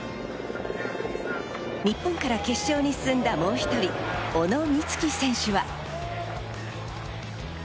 日本から決勝に進んだもう１人、小野光希選手は。